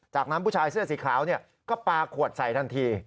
จากนั้นผู้ชายเสื้อสีขาวก็ปลาขวดใส่ทันที